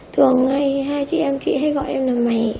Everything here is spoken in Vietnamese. thường hay hai chị em chị hay gọi em là mày